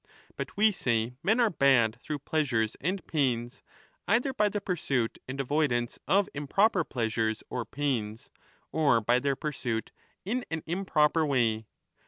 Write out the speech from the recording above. But we say men are bad through pleasures and pains, either by the pursuit 1222^ and avoidance of improper pleasures or pains or by their pursuit in an improper way.